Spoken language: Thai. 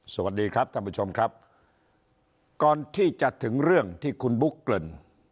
สวัสดีครับท่านผู้ชมครับก่อนที่จะถึงเรื่องที่คุณบุ๊กเกริ่น